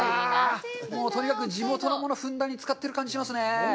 とにかく地元のものをふんだんに使っている感じがしますね。